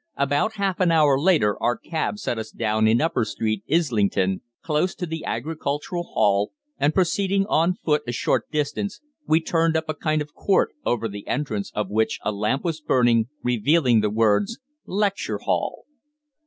About half an hour later our cab set us down in Upper Street, Islington, close to the Agricultural Hall, and, proceeding on foot a short distance, we turned up a kind of court, over the entrance of which a lamp was burning, revealing the words "Lecture Hall."